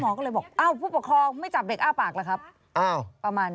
หมอก็เลยบอกผู้ปกครองไม่จับเด็กอ้าปากหรือครับ